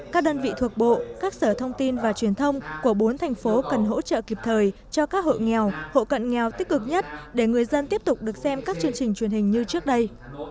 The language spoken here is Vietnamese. các đơn vị thuộc bộ các sở thông tin và truyền thông của bốn thành phố cần hỗ trợ kịp thời cho các hộ nghèo hộ cận nghèo tích cực nhất để người dân tiếp tục được xem các chương trình truyền hình như trước đây